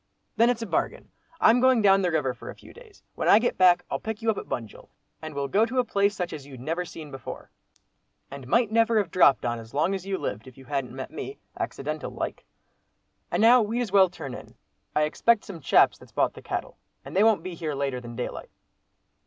"Then it's a bargain. I'm going down the river for a few days. When I get back, I'll pick you up at Bunjil, and we'll go to a place such as you never seen before, and might never have dropped on as long as you lived, if you hadn't met me, accidental like. And now we'd as well turn in. I expect some chaps that's bought the cattle, and they won't be here later than daylight."